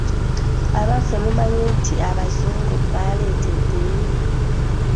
Abaffe mumanyi nti abazungu baaleeta eddiini?